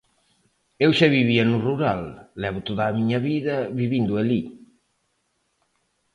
Eu xa vivía no rural, levo toda a miña vida vivindo alí.